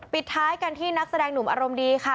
ปิดท้ายกันที่นักแสดงหนุ่มอารมณ์ดีค่ะ